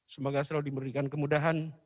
semoga selalu diberikan kemudahan